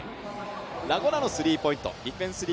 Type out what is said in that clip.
ラ・ゴナのスリーポイント。